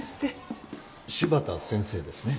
柴田先生ですね。